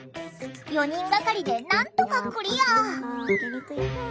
４人がかりでなんとかクリア。